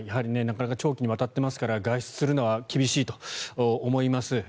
なかなか長期にわたってますから外出するのは厳しいと思います。